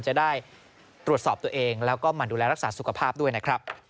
จะได้ตรวจสอบตัวเองแล้วก็มาดูแลรักษาสุขภาพด้วยนะครับ